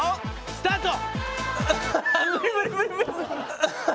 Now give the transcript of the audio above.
スタート！